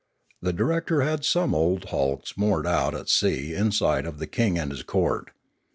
The director had some old hulks moored out at sea in sight of the king and his court.